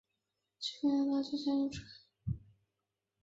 其边缘大约高八千英尺至九千英尺。